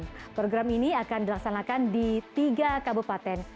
dan program ini akan dilaksanakan di tiga kabupaten